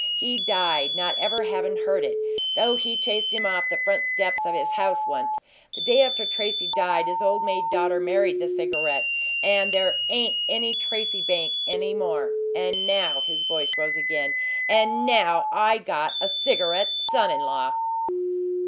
He died, not ever havin' heard it, though he chased him off the front steps of his house once. The day after Tracy died his old maid daughter married the cigarette and there AIN'T any Tracy bank any more! And now" his voice rose again "and now I got a cigarette son in law!"